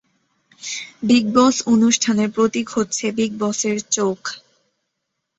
Big Boss অনুষ্ঠানের প্রতীক হচ্ছে বিগ বসের চোখ।